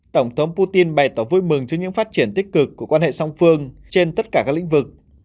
tổng thống putin bày tỏ vui mừng trước những phát triển tích cực của quan hệ song phương trên tất cả các lĩnh vực